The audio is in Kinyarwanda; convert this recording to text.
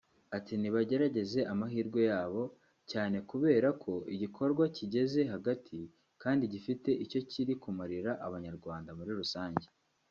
Ati “ Nibagerageze amahirwe yabo cyane kubera ko igikorwa cyigeze hagati kandi gifite icyo kiri kumarira abanyarwanda muri rusange